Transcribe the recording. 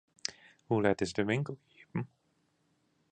Hoe let is de winkel iepen?